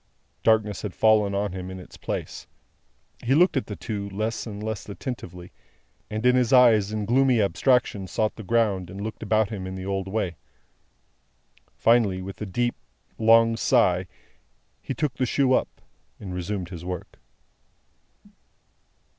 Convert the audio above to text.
Darkness had fallen on him in its place. He looked at the two, less and less attentively, and his eyes in gloomy abstraction sought the ground and looked about him in the old way. Finally, with a deep long sigh, he took the shoe up, and resumed his work.